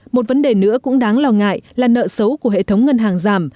một vấn đề nữa cũng đáng lo ngại là nợ xấu của hệ thống ngân hàng giảm